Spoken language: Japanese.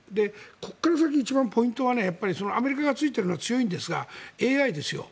ここから先、一番ポイントはアメリカがついているのは強いんですがＡＩですよ。